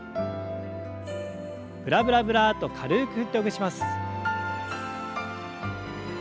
ブラブラブラッと軽く振ってほぐします。